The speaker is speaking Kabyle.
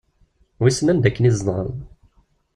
Wissen anda akken i tezdɣeḍ?